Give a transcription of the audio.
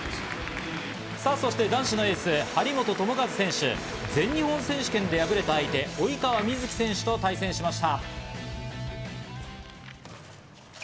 そして男子のエース・張本智和選手、全日本選手権で敗れた相手、及川瑞基選手と対戦しました。